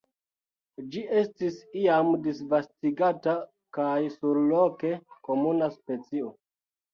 Ĝi estis iam disvastigata kaj surloke komuna specio.